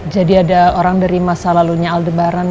jadi ada orang dari masa lalunya aldebaran